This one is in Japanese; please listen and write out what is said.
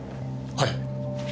はい。